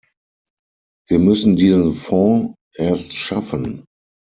Wir müssen diesen Fonds erst schaffen.